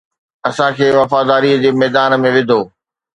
اسان کي وفاداري جي ميدان ۾ وڌو